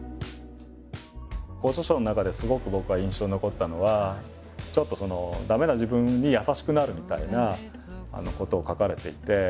ご著書の中ですごく僕が印象に残ったのはちょっとその駄目な自分に優しくなるみたいなことを書かれていて。